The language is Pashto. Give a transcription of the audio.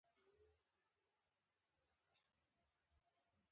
انا د خپل کلي یاد تازه ساتي